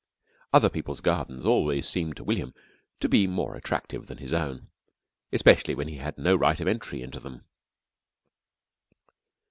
Other people's gardens always seemed to William to be more attractive than his own especially when he had no right of entry into them.